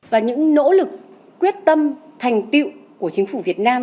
và những nỗ lực quyết tâm thành tiệu của chính phủ việt nam